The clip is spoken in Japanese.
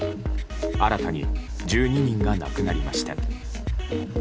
新たに１２人が亡くなりました。